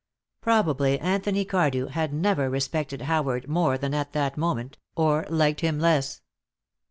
Probably Anthony Cardew had never respected Howard more than at that moment, or liked him less.